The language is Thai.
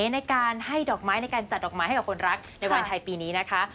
ในการให้ดอกไม้ในการจัดดอกไม้ให้กับคนรักในวันไทยปีนี้นะคะ